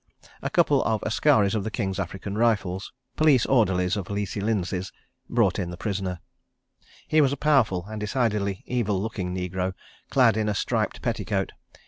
... A couple of askaris of the King's African Rifles, police orderlies of "Leesey" Lindsay's, brought in the prisoner. He was a powerful and decidedly evil looking negro, clad in a striped petticoat.